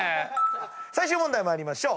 最終問題参りましょう。